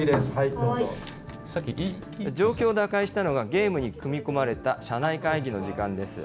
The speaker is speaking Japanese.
状況を打開したのは、ゲームに組み込まれた社内会議の時間です。